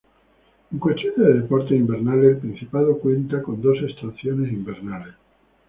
En cuestión de deportes invernales, el Principado cuenta con dos estaciones invernales.